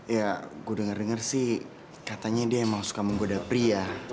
ya gue denger denger sih katanya dia emang suka menggoda pria